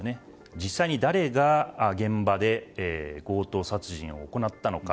実際に誰が現場で強盗殺人を行ったのか。